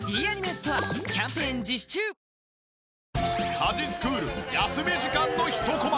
家事スクール休み時間の１コマ。